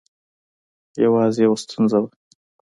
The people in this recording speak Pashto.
یوازې یوه ستونزه وه.